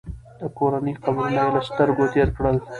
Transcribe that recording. د کورنۍ قبرونه یې له سترګو تېر کړل.